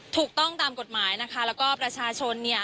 ถูกต้องตามกฎหมายนะคะแล้วก็ประชาชนเนี่ย